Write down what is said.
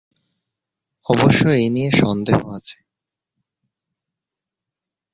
অবশ্য এ নিয়ে সন্দেহ আছে।